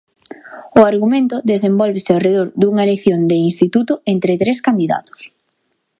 O argumento desenvólvese arredor dunha elección de instituto entre tres candidatos.